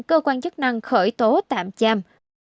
cơ quan chức năng khởi tố tạm chăm